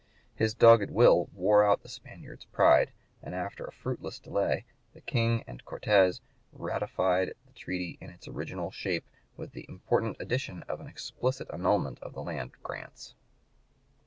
His dogged will wore out the Spaniard's pride, and after a fruitless delay the King and Cortes ratified the treaty in its original shape, with the important addition of an explicit annulment of the land grants.